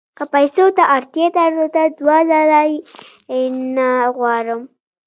که پیسو ته اړتیا درلوده دوه ځله یې نه غواړم.